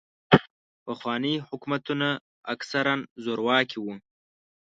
پخواني حکومتونه اکثراً زورواکي وو.